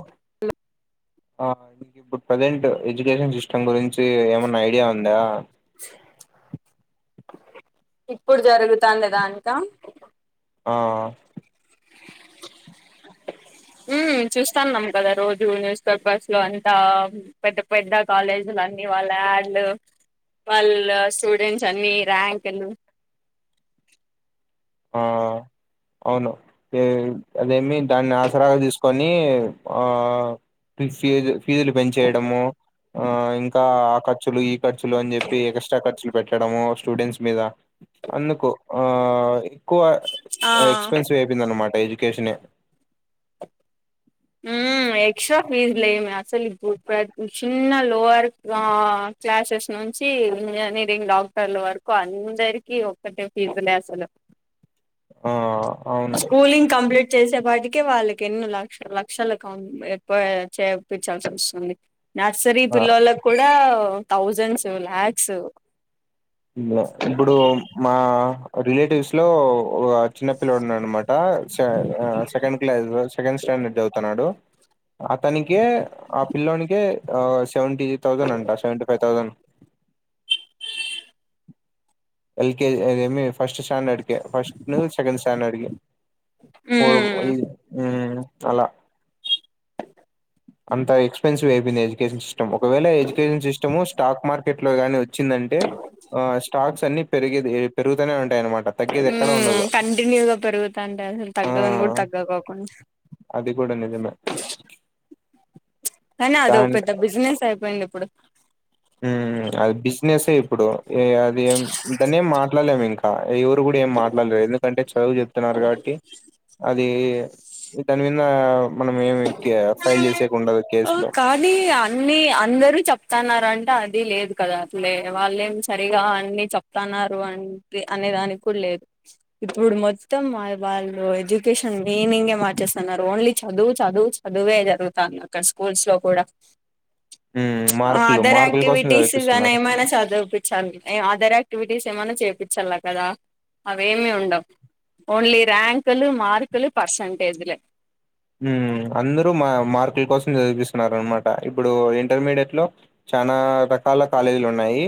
కు ఇప్పుడు present education system గురించి ఏమన్నా ఐడియా ఉందా ఇప్పుడు జరుగుతానుదాంకా ఆ చూస్తాన్నాం కదా రోజు న్యూస్ పేపర్స్ లో అంతా పెద్ద పెద్ద కాలేజీలు వాళ్ళ అడ్లు వాళ్ళ స్టూడెంట్స్ అన్ని ర్యాంక్లు [inaudible] ఆ అవును అదేమి దాన్ని ఆసరాగా తీసుకొని ఆ ఫీజు ఫీజులు పెంచేయడము ఆ ఇంకా ఆ ఖర్చులు ఈ ఖర్చులు అని చెప్పి ఎక్స్ట్రా ఖర్చులు పెట్ట పెట్టదాము స్టూడెంట్స్ మీద అందుకు ఆ ఎక్కువ ఆ ఎక్స్పెన్సివ్ అయిపోయింద అనమాట ఎడ్యుకేషన్ ఉ ఎక్స్ట్రా ఫీజ్ లేమి అసలు ఇప్పుడు చిన్న లోవర్ క్లాసెస్ ను నుంచి ఇంజనీరింగ్ డాక్టర్ల వరకు అందరికి ఒక్కటే ఫీజులే అసలు ఆ అవును స్కూలింగ్ కంప్లీట్ చేసే పాటికి అందుకే వాళ్ళకి ఎన్న లక్ష లక్షలు క చేపించాల్సి వస్తుంది నర్సరీ పిల్లళలకు కూడా థౌజండ్స్ లలాక్స్ ఇప్పుడు మా రిలేటివ్స్ లో చిన్నపిల్లడు ఉన్న అనమాట సెకండ్ క్లాస్ సెకండ్ స్టాం స్టాండర్డ్ చదువుతున్నాడు అతకే ఆ పిల్లోనికి సెవెంటీ థౌసండ్ అంటా సెవెంటీ ఫైవ్ థౌసండ్ ఎల్కేజీ అదేం ఫస్ట్ స్టాండర్డ్ క ఫస్ట్ ను సెకెండ్ స్టాండర్డ్ అలా అంత ఎక్స్పెన్సివ్ అయిపోయింది ఎడ్యుకేషన్ సిస్టమ్ ఒకవేళ ఎడ్యుకేషన్ సిస్టమ్ స్టాక్ మార్కెట్ లో గాని వ వచ్చిందంటే ఆ స్టాక్స్ అన్ని పెరిగ పెరుగుతనే ఉ కంటిన్యూగా పెరుగుతా అంటే అసలు ఆ తగ్గదని కూడా తగ్గకోకుండా అది కూడా నిజమే కానీ అదో దాన్ పెద్ద బిజినెస్ అయిపోయింది ఇప్పుడు అది బిజినెస్ ఇప్పుడు అది దాన్న ఏం మాట్లాడలేము ఇంకా ఎవరు కూడా ఏం మాట్లాడలేరు ఎందుకంటే చదువు చెప్తున్నారు కాబట్టి అది దాని మీద మనం ఏమి ఫైల్ చేసేకి ఉండదు కేసులో కానీ అన్ని అందరు చెప్తాన్నారు అంటే అది లేదు కదా అట్లే వాళ్ళేం సరిగా అన్ని చెప్తన్నారు అంట అనే దానికి లేదు ఇప్పుడు మొత్తం వాళ్ళు ఎడ్యుకేషన్ మీనింగ్ే మార్చేస్తున్నారు ఓన్లీ చదువు చదువు చదువే జరుగుతాంది అక్కడ స్కూల్స్ లో కూడా మ్మ్ మార్కులు అదర్ మార్కుల కోసం యాక్టివిటీస్ గానీ చదిపిస్తున్నారు ఏమైనా చదివిపించాలను అదర్క్ క్టివిటీస్ ఏమైన్నా చేపించాలి కదా అవేమి ఉండవు ఓన్లీ ర్యాంకులు మార్కులు పర్సంటేజ్లే అందరూ మా మార్కుల కోసం చదిపిస్తున్నారు అనమాట ఇప్పుడు ఇంటర్మీడియట్ లో చనా రకాల కాలేజీలు ఉన్నాయి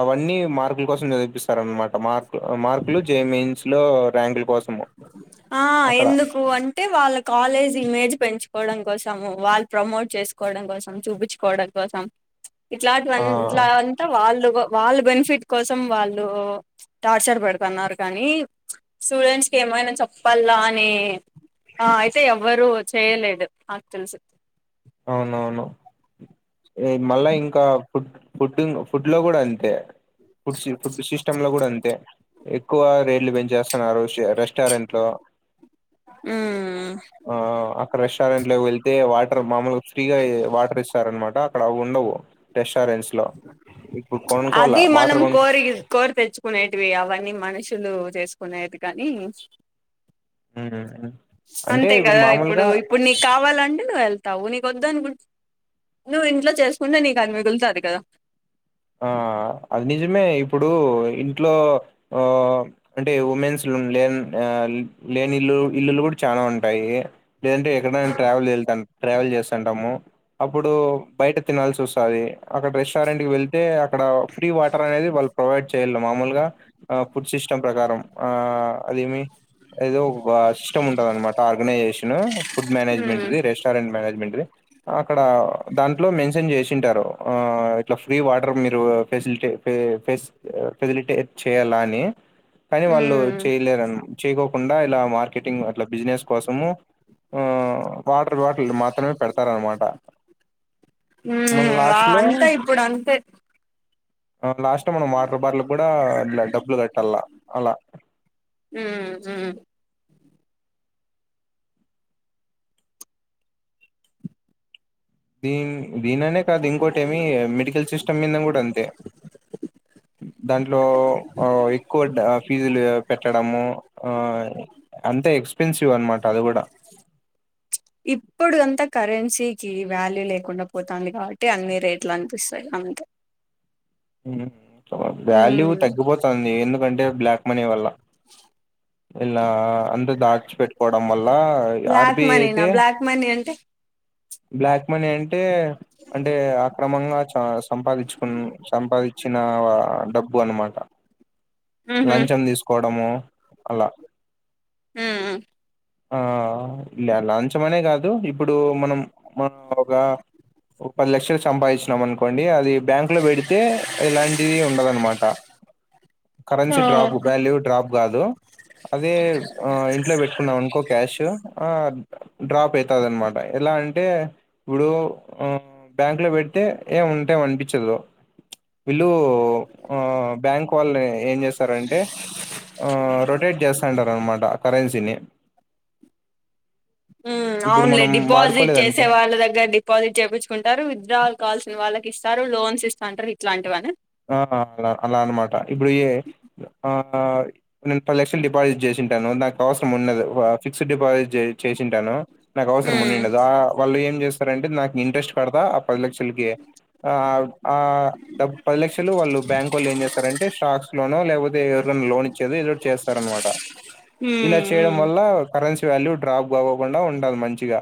అవన్నీ మార్కుల కోసం చదిపిస్తారు అనమాట మార్కు మార్కులు జే మయిన్స్ లో ర్యాంకులు కోసం ఆ ఎందుకు అంటే వాళ్ళకు కాలేజ్ ఇమేజ్ పెంచుకోవడం కోసం వాళ్ళు ప్రమోట్ చేసుకోవడం కోసం చూపించుకోవడం కోసం ఇట్లాంటి ఆ ఇట్లా అంతా వాళ్ళు వాళ్ళ బెనిఫిట్ కోసం వాళ్ళు టార్చర్ పెడుతున్నారు కానీ స్టూడెంట్స్ ఏమైనా చెప్పలా అని ఆ అయితే ఎవ్వరు చేయలేదు నాకు తెలుసి అవునవును మళ్ళా ఇంకా ఫుడ్ ఫుడ్ ఫుడ్ లో కూడా అంతే ఫుడ్ ఫుడ్ సిస్టమ్ లో కూడా అంతే అ ఎక్కువ రేట్లు పెంచేస్తున్నారు షర్ రెస్టారెంట్ లో ఉమ్ అక్కడ రెస్టారెంట్ లో వెళ్తే వా మామలు ఫ్రీగా వాటర్ ఇస్తార అనమాట అక్కడ అ ఉండవు టెస్ట్ లో అది మనం వాటర్ కొను కోరి కోరి తెచ్చుకునేటివి అవన్నీ మనుషులు చేసుకు కొనయది కానీ అంటే అంతే కదా ఇప్పుడు మామూలుగా ఇప్పుడు నీకు కావాలంటే నువ్వు వెళ్తా తావు నీక వద్దు అనుకుంట నువ్వు ఇంట్లో చేసుకుంటే నీకు అని మిగులుతారు కదా ఆ అది నిజమే ఇప్పుడు ఇంట్లో ఆ అంటే ఉమెన్స్ లో లే ఆ లేని ఇల్లు ఇల్లులు కూడా చాలా ఉంటాయి లేదంటే ఎక్కడైనా ట్రావెల్ వెళ్తాను ట్రావెల్ చేసంటాము అప్పుడు బయట తినాల్సి వస్తుంది అక్కడ రెస్టారెంట్ కి వెళ్ళి అక్కడ ఫ్రీ వాటర్ అనేది వాళ్ళు ప్రొవైడ్ చేయ మామూలుగా ఫుడ్ సిస్టమ్ ప్రకారం ఆ లిమిట్ ఏదో ఒక సిస్టమ్ ఉంటద అనమాట ఆర్గనైజేషన్ ఫుడ్ మ్మ్ మేనేజ్మెంట్ది రెస్టారెంట్ మేనేజ్మెంట్ది అక్కడ దాంట్లో మెన్షన్ చేసింటారు ఆ ఇట్లా ఫ్రీ వాటర్ మీరు ఫసిలి ఫెసిలిటేట్ చేయాలా అని కానీ వాళ్ళు చేయలేరుని చేయకోకుండా ఇలా మార్కెటింగ్ అట్లా బిజినెస్ కోసము ఆ వాటర్ బాటిల్ మాత్రమే పెడతారనమాట ఉ మన వా లాస్ట్ లో అంతా ఇప్పుడు అంత లాస్ట్ మనం వాటర్ బార్టల్ కూడా డబ్బులు కట్టాలలా అలా ఉ ఉ దీని దీనినే కాదు ఇంకోటి ఏమి మెడికల్ సిస్టమ్ మీద కూడా అంతే దాంట్లో ఎక్కువ ఫీజులు పెట్టడము అంతా ఎక్స్ ఇప్పుడు అంతా కరెం సీకి వాల్యూ లేకుండా పోతుంది కాబట్టి అన్ని రేట్లు అనిపిస్తాయి అంతే. ఉమ్ వాల్యూ మ్మ్ తగ్గిపోతుంది ఎందుకంటే బ్లాక్ మనీ వల్ల. ఇలా అందరు దాచి పెట్టుకోవడం వల్ల బ్లాక్ ఆర్బి మనీనా అయితే. బ్లాక్ మనీ అంటే బ్లాక్ మనీ అంటే అంటే అక్రమంగా స సంపాదించుకున్ సంపాదించు. వచ్చిన డబ్బు అనమాట. మ్మ్ హ్మ్ లంచం తీసుకోవడము అలా. ఉమ్. ఆహ్ లా లాంచం అనే కాదు ఇప్పుడు మనం. మనం ఒక పది లక్షలు సంపాదించినం అనుకోండి. అండి అది బ్యాంక్ లో పెడితే ఎలాంటివి ఉండదనమాట. కరెన్సీ డ్రాప్ వాల్యూ డ్రాప్ కాదు. అదే ఆహ్ ఇంట్లో పెట్టుకున్నాం అనుకో క్యాష్ ఆహ్. డ్రాప్ అయితదన్నమాట ఎలా అం. అంటే ఇప్పుడు ఆహ్ బ్యాంక్ లో పెడితే ఏం ఉంటాయి అనిపించదు. వీళ్ళు ఆహ్ బ్యాంక్ వాళ్ళు ఏం చేస్తారంటే. ఆహ్ రొటేట్ చేస్తుంటారనమాట కరెన్సీని. ఉమ్ ఇప్పుడు మనం అవునులేండి డిపాజిట్ వాడుకోలేదనుకో చేసే వాళ్ళ దగ్గర డిపాజిట్ చేపించుకుంటారు విత్ డ్రావల్ కాల్సిన. వాళ్ళకి ఇస్తారు లోన్స్ ఇస్తాంటారు ఇట్లాంటివి అనా. ఆహ్ అలా అలా అన్నమాట ఇప్పుడే ఆహ్ నేను పది లక్షలు డిపాజిట్ చేసిన. తింటాను నాకు అవసరం ఉండదు ఆహ్ ఫిక్స్డ్ డిపాజిట్ చే చేసింటాను. నాకు అవసరం మ్మ్ ఉండిండదు ఆ వాళ్ళు ఏం చేస్తారంటే నాకు ఇంట్రెస్ట్ కడతా ఆ పది లక్షలకి ఆహ్. ఆహ్ ఆహ్ డబ్బు. పది లక్షలు వాళ్ళు బ్యాంకోళ్ళు ఏం చేస్తారంటే స్టాక్స్ లోనో లేకపోతే ఎవరికైనా లోన్ ఇచ్చేది ఏదోకటి చేస్తారనమాట. ఇలా మ్మ్ చేయడం మ్మ్ వల్ల కరెన్సీ వాల్యూ డ్రాప్ కాపోకుండా ఉండదు. మంచిగా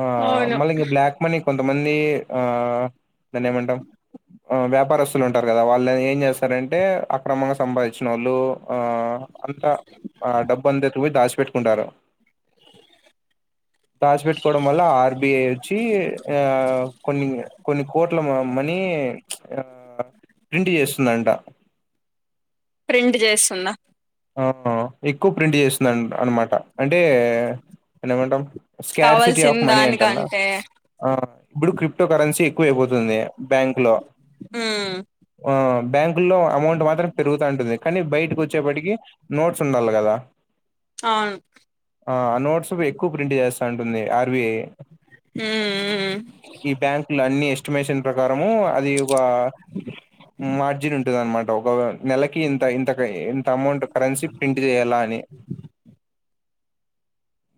ఆహ్ అవును మళ్లీ ఇంకా బ్లాక్ మనీ కొంత. మంది ఆహ్ దాన్నేమంటం. ఆహ్ వ్యాపారస్తులు ఉంటారు కదా వాళ్ళు ఏం చేస్తారంటే అక్రమంగా సంపాదించినోళ్ళు. ఆహ్ అంతా ఆ డబ్బు అంతా ఎటుపోయి దాచిపెట్టుకుంటారు. దాచి పెట్టుకోవడం వల్ల ఆర్బిఐ వచ్చి ఆహ్ కొన్ని కొన్ని. కోట్ల మ మనీ ప్చ్ ఆహ్ ప్రింట్ చేస్తుందంట. ప్రింట్ చేస్తుందా. ఆహ్ ఎక్కువ ప్రింట్ చేస్తుందనమాట. అంటే దాన్ని ఏమంటాం స్కార్ సిటీ కావాల్సిన ఆఫ్ మనీ అంటంగా. దానికంటే ఆహ్ ఇప్పుడు క్రిప్టో కరెన్సీ ఎక్కువ అయిపోతుంది బ్యాంక్ లో. ఉమ్. ఆహ్ బ్యాంకు లో అమౌంట్ మాత్రం పెరుగుతా ఉంటుంది కానీ బయటకి వచ్చేప్పటికి. నోట్స్ ఉండాలి కదా. అవును. ఆ నోట్స్ ఎక్కువ ప్రింట్ చేస్తా ఉంటుంది ఆర్బీఐ. ఉమ్ ఈ బ్యాంకు లో అన్ని ఎస్టిమేషన్ ప్రకారము అది వా. మార్జిన్ ఉంటదానమాట. [unintelligible] నెలకి ఇంత ఇంత ఇంత అమౌంట్ కరెన్సీ ప్రింట్ చేయాల అని.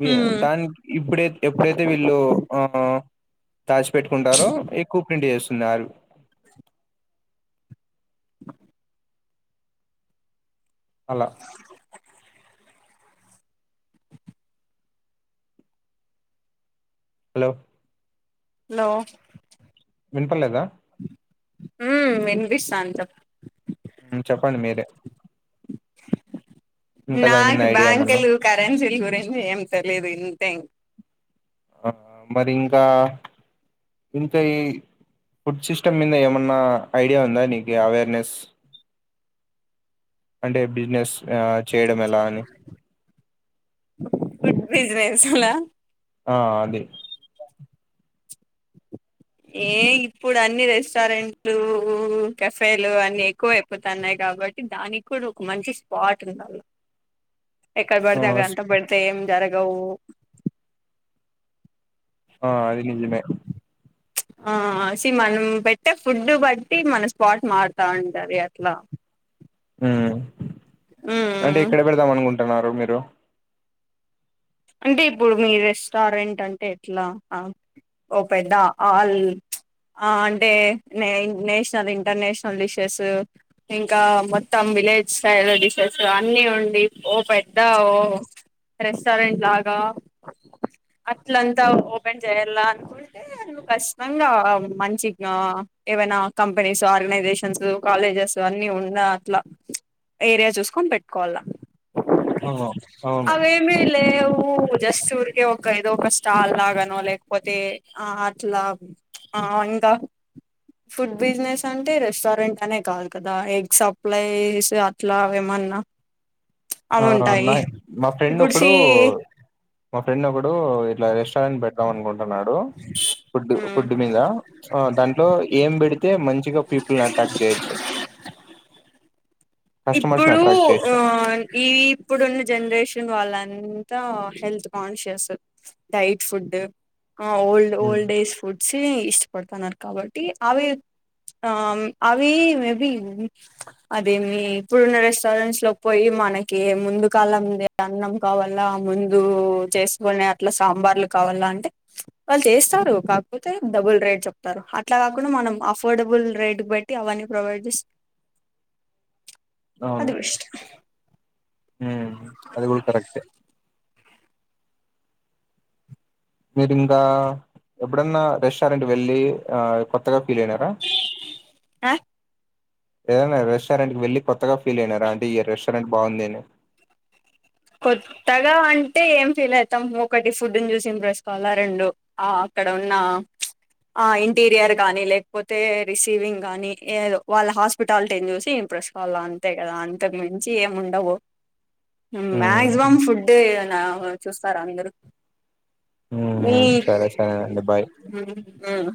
ఇ టా ఉమ్ దానికి ఇప్పుడై ఎప్పుడైతే వీళ్ళు ఆ దాచిపెట్టుకుంటారో ఎక్కువ ప్రింట్ చేస్తుంది ఆరు అలా హలో హలో వినపడలేదా ఉ వినిపిస్తోంది చెప్పు చెప్పండి మీరే ఇంకా దాని మీద నాకు ఐడియా ఏమన్నా బ్యాంకులు కరెన్సీలు గురించి ఏం తెలేదు ఇంతే ఇం ఆ మరి ఇంకా ఇంకా ఈ ఫుడ్ సిస్టమ్ మీద ఏమన్నా ఐడియా ఉందా నీకు అవేర్నెస్ అంటే బిజినెస్ చేయడం ఎలా అని ఫుడ్ బిజినెస్ లా ఆ అదే ఏ ఇప్పుడు అన్ని రెస్టారెంట్లు కఫేలు అన్ని ఎక్కువ అయిపోతాన్నాయి కాబట్టి దానికి కూడా ఒక మంచి స్పాట్ ఉంది ఎక్కడ ఆ పడితే అక్కడ అంత పడితే ఏం జరగవు ఆ అది నిజమే ఆ స మనం పెట్టే ఫుడ్ బట్టి మన స్పాట్ మారుతా ఉంటుంది అట్లా ఉ అంటే ఉమ్ ఎక్కడ పెడదాం అనుకుంటున్నారు మీరు అంటే ఇప్పుడు మీ రెస్టారెంట్ అంటే ఎట్లా ఓ పెద్ద ఆల్ ఆ అంటే న నేషనల్ ఇంటర్నేషనల్ డిషెస్ ఇంకా మొత్తం విలేజ్ స్టైల్ డిషెస్ అన్ని ఉండి ఓ పెద్ద ఓ రెస్టారెంట్ లాగా అట్లంతా ఓపెన్ చేయాల అకుంటే ఖచ్చితంగా మంచి ఏవైనా కంపెనీస్ ఆర్గనైజేషన్స్ కాలేజెస్ సో అన్ని ఉన్న అట్లా ఏరియా చూసుకొని పెట్టుకోవాలా అవును అవును అవేమీ లేవు ప జస్ట్ ఊరికే ఒక ఏదో ఒక స్టాల్ లాగాన లేకపోతే ఆ అట్లా ఆ ఇంకా ఫుడ్ బిజినెస్ అంటే రెస్టారెంట్ అనే కాదు కదా ఎగ్ సప్లైస్ అట్లా ఏమ మాన్నా అవునవును నా మా ఫ్రెండ్ ఇప్పుడు ఒకడు సి ఇప్పుడు మా ఫ్రెండ్ ఒకప్పుడు ఇట్లా రెస్టారెంట్ పెడదాం అనుకుంటున్నాడు ఫుడ్ ఫుడ్ మీద దాంట్లో ఏం పెడితే మంచిగా పీపుల్ ని అట్రాక్ట్ చేయొచ్చు కస్టమర్స్ ని ఇప్పుడు అట్రాక్ట్ చేయొచ్చు ఆ ఈ ఇప్పుడున్న జనరేషన్ వాళ్ళంతా హెల్త్ కాన్షియస్ డైట్ ఫుడ్ డ్ ఆ old um, old age foods ఇష్టపడుతున్నారు కాబట్టి అవి ఆ అవి మేబి అదేమి ఇప్పుడున్న రెస్టారెంట్స్ లో పోయి మనకి ముందు కాలం అన్నం కావాల ముందు చేసుకని అట్లా సాంబార్లు కావాల అంటే వాళ్ళు చేస్తారు కాకపోతే డబుల్ రేట్ చెప్తారు అట్లా కాకుండా మనం అఫోర్డబుల్ రేట్ బట్టి అవన్నీ ప్రొవైడ్ చేస్తే అవును అది బెస్ట్ ఉమ్ అది కూడా కరెక్ట్ మీరింకా ఎప్పుడన్నా రెస్టారెంట్ వెళ్ళి ఆ కొత్త [unintelligible] పీడైనారా అ ఏదైన రెస్టారెంట్కి వెళ్ళి కొత్తగా ఫీలైనారా అంటె ఈ రెస్టారెంట్ బాగుంది అని కొత్తగా అంటే ఏం ఫీలైతాం ఒకటి ఫుడ్డ్న్ జూసి ఇంప్రెస్స్ కాల్ల రెండు ఆ అక్కడ ఉన్నా ప్చ్ ఆ ఇంటీరియర్ గాని లేక్పోతే రిసీవింగ్ గాని ఏదొ వాళ్ళ హాస్పిటాల్టీన్ జూసి ఇంప్రెస్స్ కాల్లా అంతె కద అంతక్ మించి ఏముండవు ఉమ్ మాక్సిమం ఫుడ్డేగనా చూస్తారందరు మీ ఉమ్ సరే సరేనండి బాయ్ ఉమ్ ఉమ్